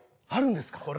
あるんですか？